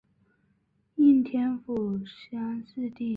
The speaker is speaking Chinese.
应天府乡试第十名。